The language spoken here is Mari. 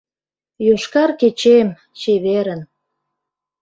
— Йошкар кечем, чеверын!